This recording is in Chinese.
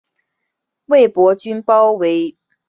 魏博军包围内黄。